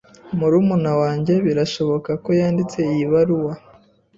Murumuna wanjye birashoboka ko yanditse iyi baruwa.